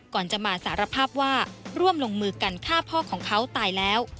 ก่อนจะมาสารภาพว่าร่วมลงมือกันฆ่าพ่อของเขาตายแล้ว